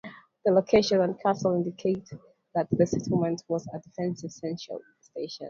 The location and castle indicate that the settlement was a defensive sentinel station.